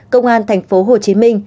công an tp hcm